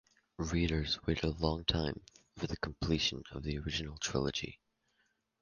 Readers waited a long time for the completion of the original trilogy.